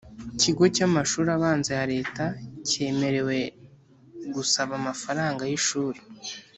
kigo cy'amashuri abanza ya leta kemerewe gusaba amafaranga y'ishuri.